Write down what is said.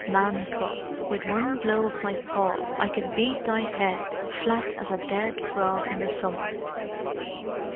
Man cub, with one blow of my paw I could beat thy head flat as a dead frog in the summer!"